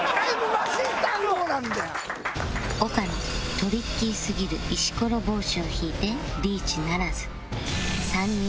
岡野トリッキーすぎる石ころぼうしを引いてリーチならず